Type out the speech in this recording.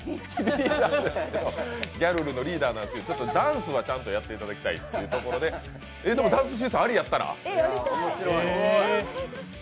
リーダーなんですけど、でも、ダンスはちゃんとやっていただきたいということで、でも、ダンス審査ありだったら？